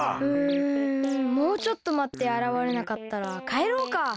うんもうちょっとまってあらわれなかったらかえろうか。